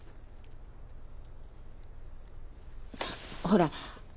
ほら。